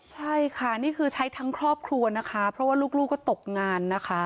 ใช่ค่ะนี่คือใช้ทั้งครอบครัวนะคะเพราะว่าลูกก็ตกงานนะคะ